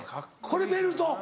これベルト。